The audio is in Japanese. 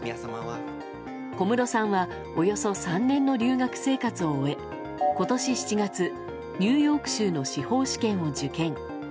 小室さんはおよそ３年の留学生活を終え今年７月、ニューヨーク州の司法試験を受験。